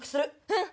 うん！